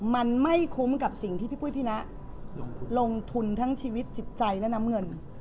มันไม่คุ้มกับสิ่งที่พี่ปุ้ยพี่นะลงทุนทั้งชีวิตจิตใจและน้ำเงิน